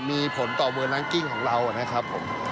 มีผลต่อเวลางกิ้มของเรานะครับ